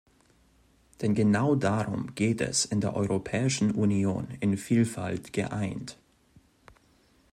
Denn genau darum geht es in der Europäischen Union in Vielfalt geeint.